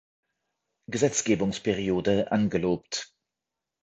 Gesetzgebungsperiode angelobt.